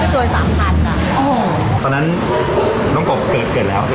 ตอนนั้นน้องปกเริ่มเกิดแล้ว